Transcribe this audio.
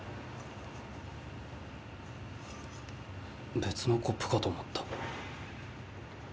別のコップかと思った。